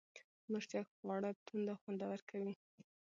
مرچک خواړه توند او خوندور کوي.